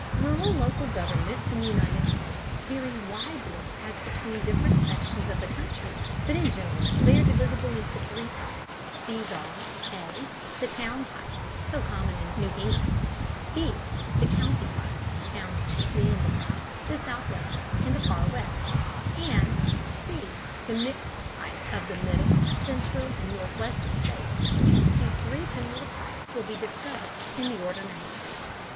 Rural local governments in the United States vary widely as between different sections of the country, but in general they are divisible into three types. These are: (a) the town type, so common in New England; (b) the county type, found chiefly in the South, the Southwest, and the Far West; and (c) the mixed type of the Middle, Central, and Northwestern states. These three general types will be discussed in the order named.